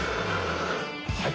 はい。